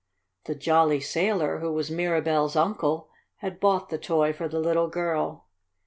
The jolly sailor, who was Mirabell's uncle, had bought the toy for the little girl.